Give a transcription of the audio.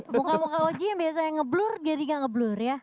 muka muka oji yang biasanya ngeblur jadi gak ngeblur ya